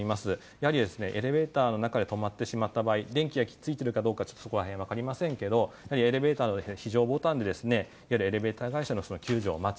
やはりエレベーターの中で止まってしまった場合電気がついているかどうか分かりませんけれどもエレベーターの非常ボタンを押してエレベーター会社の救助を待つ。